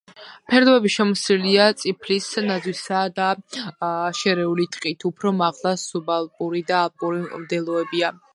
ფერდობები შემოსილია წიფლის, ნაძვისა და შერეული ტყით, უფრო მაღლა სუბალპური და ალპური მდელოებია.